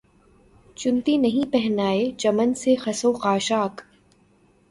چنتی نہیں پہنائے چمن سے خس و خاشاک